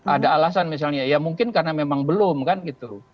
ada alasan misalnya ya mungkin karena memang belum kan gitu